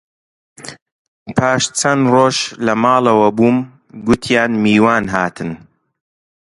پاش چەند ڕۆژ لە ماڵەوە بووم، گوتیان میوان هاتن